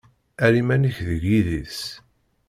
Err iman-ik deg yidis.